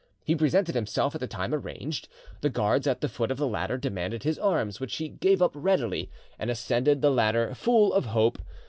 He presented himself at the time arranged, the guards at the foot of the ladder demanded his arms, which he gave up readily, and ascended the ladder full of hope.